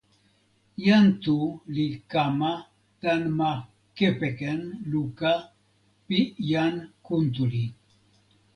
jan Tu li kama tan ma kepeken luka pi jan Kuntuli.